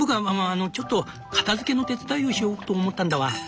あのちょっと片づけの手伝いをしようかと思ったんだワン。